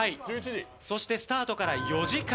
そしてスタートから４時間。